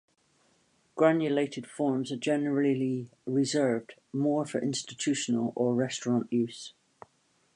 Granulated forms are generally reserved more for institutional or restaurant use.